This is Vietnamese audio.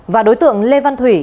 và đối tượng lê văn thủy